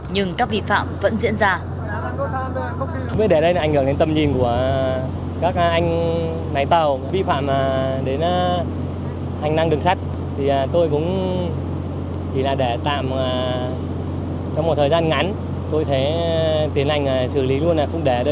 nhưng các vi phạm vẫn diễn ra